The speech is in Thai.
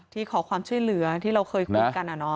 ที่ขอความช่วยเหลือที่เราเคยคุยกัน